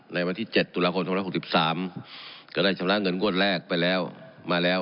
ในวันที่เจ็ดตุลาคมชำระหกสิบสามก็ได้ชำระเงินว่นแรกไปแล้ว